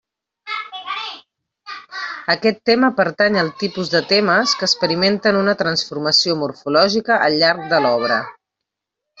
Aquest tema pertany al tipus de temes que experimenten una transformació morfològica al llarg de l'obra.